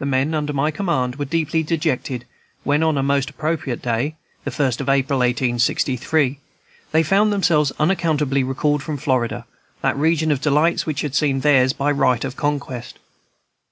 The men under my command were deeply dejected when, on a most appropriate day, the First of April, 1863, they found themselves unaccountably recalled from Florida, that region of delights which had seemed theirs by the right of conquest.